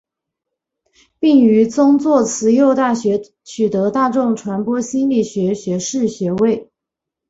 并于宗座慈幼大学取得大众传播心理学学士学位。